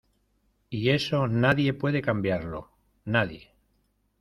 y eso nadie puede cambiarlo, nadie.